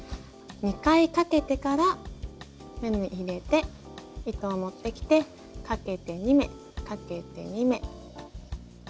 ２回かけてから目に入れて糸を持ってきてかけて２目かけて２目。